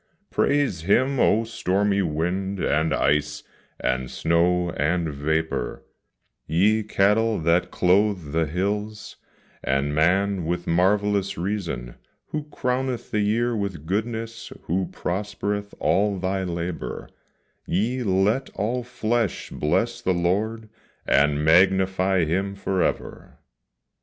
Praise Him, O stormy wind, and ice, and snow, and vapor, Ye cattle that clothe the hills, and man with marvellous reason; Who crowneth the year with goodness, who prospereth all thy labour, Yea, let all flesh bless the Lord, and magnify Him forever!